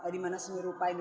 dimana seni rupa indonesia